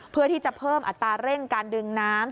เพื่อที่จะเพิ่มอัตราเร่งการดึงน้ำ